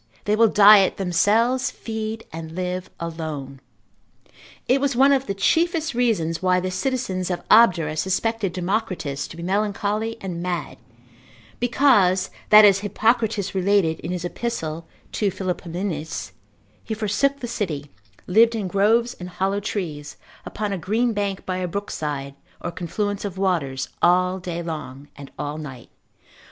l. 1. c. 9. they will diet themselves, feed and live alone. It was one of the chiefest reasons why the citizens of Abdera suspected Democritus to be melancholy and mad, because that, as Hippocrates related in his Epistle to Philopaemenes, he forsook the city, lived in groves and hollow trees, upon a green bank by a brook side, or confluence of waters all day long, and all night.